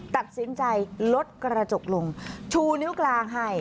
ตัดสินใจลดกระจกลงชูนิ้วกลางให้